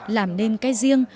làm nên cái riêng